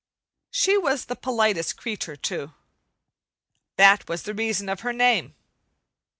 She was the politest creature, too. That was the reason of her name.